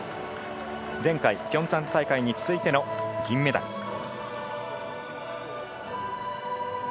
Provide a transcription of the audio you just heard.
前回ピョンチャン大会に続いての銀メダル。